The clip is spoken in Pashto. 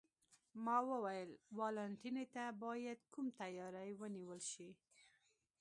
ما وویل: والنتیني ته باید کوم تیاری ونیول شي؟